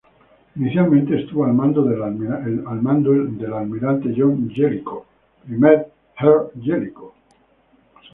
Inicialmente, estuvo al mando del almirante John Jellicoe, primer Earl Jellicoe.